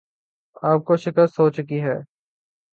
آپ کو شکست ہوچکی ہے